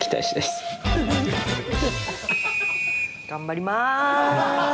頑張ります！